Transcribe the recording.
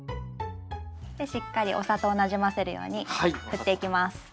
でしっかりお砂糖をなじませるように振っていきます。